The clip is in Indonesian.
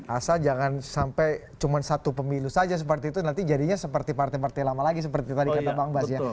asal jangan sampai cuma satu pemilu saja seperti itu nanti jadinya seperti partai partai lama lagi seperti tadi kata bang bas ya